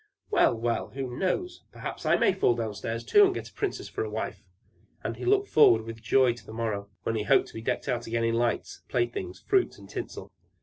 "Well, well! who knows, perhaps I may fall downstairs, too, and get a princess as wife!" And he looked forward with joy to the morrow, when he hoped to be decked out again with lights, playthings, fruits, and tinsel.